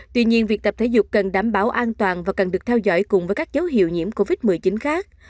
tuy nhiên việc tập thể dục cần đảm bảo an toàn và cần được theo dõi cùng với các dấu hiệu nhiễm covid một mươi chín khác